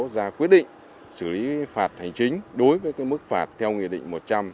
ra quyết định xử lý phạt hành chính đối với mức phạt theo nghị định một trăm linh